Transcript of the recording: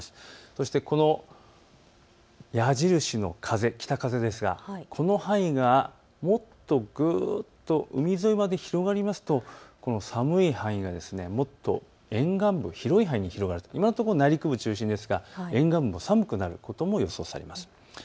そしてこの矢印の風、北風ですがこの範囲がもっとぐっと海沿いまで広がりますとこの寒い範囲がもっと沿岸部、広い範囲に広がると今のところ内陸部中心ですが沿岸部が寒くなることも予想されます。